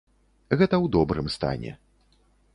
Гэта ў добрым стане.